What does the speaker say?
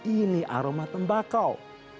ini aroma tembakau